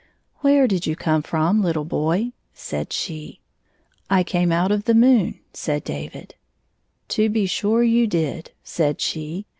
"Where did you come from, httle boy ?" said she. " I came out of the moon,'' said David. " To be sure you did," said she.